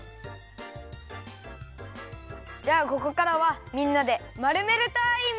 じゃあここからはみんなでまるめるタイム！